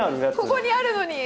ここにあるのに。